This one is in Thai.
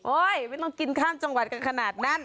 ไม่ต้องกินข้ามจังหวัดกันขนาดนั้น